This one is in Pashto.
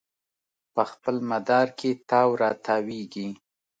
په خپل مدار کې تاو راتاویږي